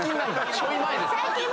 ちょい前です。